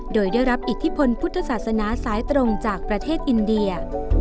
โดยได้รับอิทธิพลพุทธศาสนาสายตรงจากประเทศอินเดีย